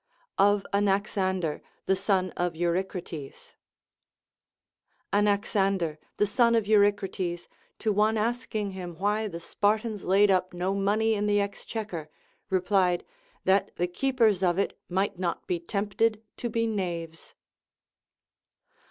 Of Anaxnnder the Son of Eurycrates. Anaxander, the son of Eurycrates, to one asking him why the Spartans laid up no money in the exchequer, re plied, that the keepers of it might not be tempted to be knaves. VOL. r. 26 402 LACONIC APOPHTHEGMS.